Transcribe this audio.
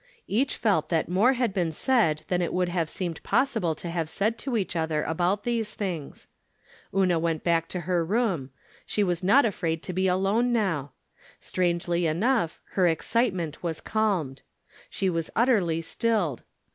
Each felt that more had been said than it would have seemed possible to have said to each other about these things. Una went back to her room. She was not afraid to be alone now. Strangely enough her excitement was calmed. She was 256 From Different Standpoints. utterly stilled.